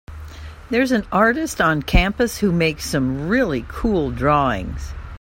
There’s an artist on campus who makes some really cool drawings.